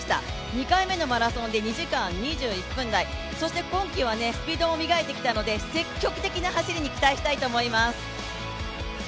２回目のマラソンで２時間２１分台、そして今季はスピードを磨いてきたので積極的な走りに期待したいと思います。